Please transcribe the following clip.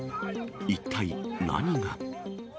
一体何が。